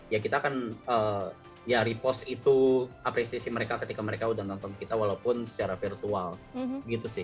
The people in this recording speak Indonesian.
ya kita kan ya repost itu apresiasi mereka ketika mereka udah nonton kita walaupun secara virtual gitu sih